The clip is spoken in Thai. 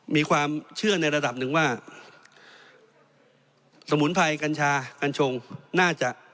มีความเชื่อในระดับหนึ่งว่าสมุนไพรกัญชากัญชงน่าจะ